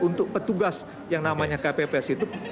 untuk petugas yang namanya kpps itu